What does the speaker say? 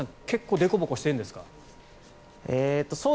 結構でこぼこしてるんですか？